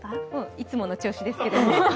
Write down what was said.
いつもの調子ですけど。